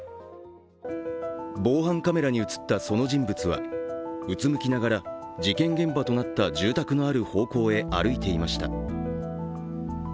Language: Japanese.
防犯カメラに映ったその人物はうつむきながら、事件現場となった住宅のある方向へ歩いていました。